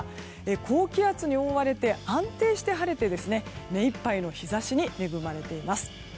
高気圧に覆われて安定して晴れて目いっぱいの日差しに恵まれています。